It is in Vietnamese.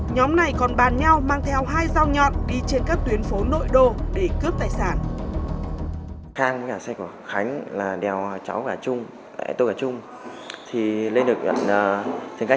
nhóm này còn bàn nhau mang theo hai dao nhọn đi trên các tuyến phố nội đô để cướp tài sản